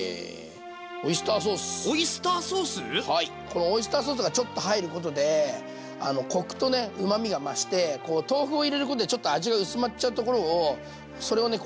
このオイスターソースがちょっと入ることでコクとねうまみが増して豆腐を入れることでちょっと味が薄まっちゃうところをそれをね